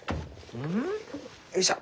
ん？よいしょ。